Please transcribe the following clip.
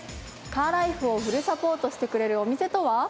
カーライフをフルサポートしてくれるお店とは？